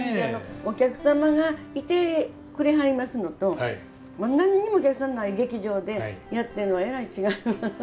お客様がいてくれはりますのと何にもお客さんない劇場でやってんのはえらい違います。